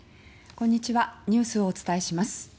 こんにちはニュースをお伝えします。